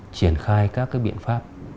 triển khai các biện pháp